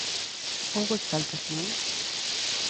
Houbo exaltación?